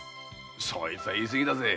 それは言い過ぎだぜ。